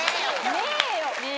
ねえよ。